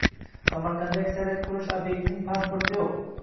Samarqanddagi aksariyat qurilish ob’ektining pasporti yo‘q